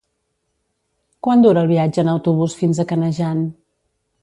Quant dura el viatge en autobús fins a Canejan?